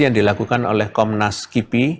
yang dilakukan oleh komnas kipi